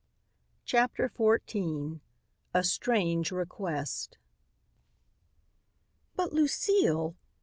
CHAPTER XIV A STRANGE REQUEST "But, Lucile!"